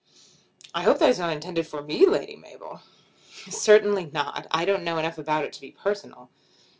"I hope that is not intended for me, Lady Mabel." "Certainly not. I don't know enough about it to be personal."